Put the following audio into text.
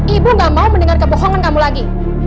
ibu gak mau mendengar kebohongan kamu lagi